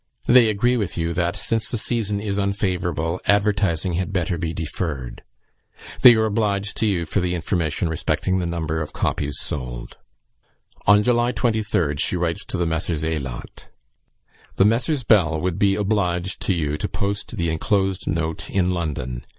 They agree with you that, since the season is unfavourable, advertising had better be deferred. They are obliged to you for the information respecting the number of copies sold." On July 23rd she writes to the Messrs. Aylott: "The Messrs. Bell would be obliged to you to post the enclosed note in London.